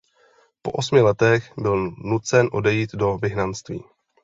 Po osmi letech byl nucen odejít do vyhnanství.